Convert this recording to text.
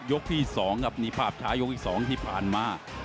ยกที่๒ครับนี่ภาพช้ายกที่๒ที่ผ่านมา